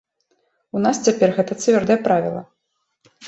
У нас цяпер гэта цвёрдае правіла.